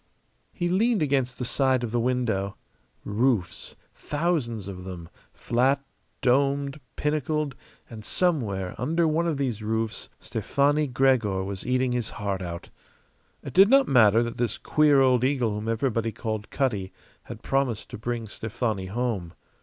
He leaned against the side of the window. Roofs, thousands of them, flat, domed, pinnacled; and somewhere under one of these roofs Stefani Gregor was eating his heart out. It did not matter that this queer old eagle whom everybody called Cutty had promised to bring Stefani home.